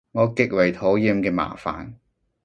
我極為討厭嘅麻煩